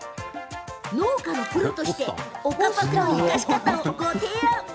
農家のプロとして岡パクの生かし方をご提案。